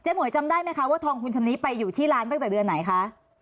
หวยจำได้ไหมคะว่าทองคุณชำนี้ไปอยู่ที่ร้านตั้งแต่เดือนไหนคะ